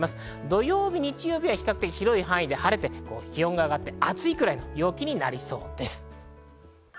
土曜日・日曜日が比較的広い範囲で晴れて、気温が上がって、暑いくらいの陽気になりそうです。